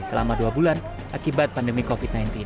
selama dua bulan akibat pandemi covid sembilan belas